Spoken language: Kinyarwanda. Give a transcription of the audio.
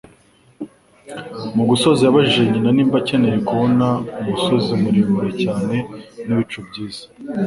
Mu gusoza yabajije nyina niba akeneye kubona "umusozi muremure cyane n'ibicu byiza."